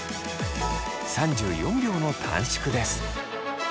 ３４秒の短縮です。